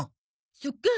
そっか。